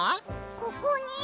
ここに？